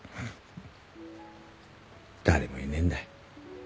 誰もいねえんだ。